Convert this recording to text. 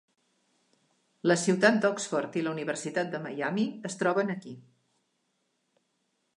La ciutat d'Oxford i la Universitat de Miami es troben aquí.